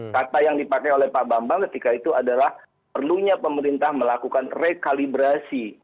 kata yang dipakai oleh pak bambang ketika itu adalah perlunya pemerintah melakukan rekalibrasi